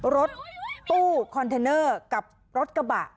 รถตู้คอนเทนเนอร์กับรถกระบะ